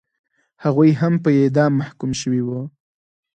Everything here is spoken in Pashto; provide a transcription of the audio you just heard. هغوی هم په اعدام محکوم شوي وو.